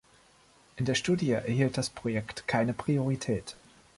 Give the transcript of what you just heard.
In der Studie erhielt das Projekt keine Priorität.